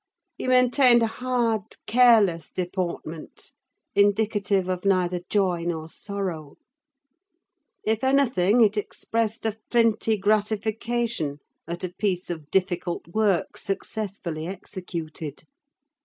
He maintained a hard, careless deportment, indicative of neither joy nor sorrow: if anything, it expressed a flinty gratification at a piece of difficult work successfully executed.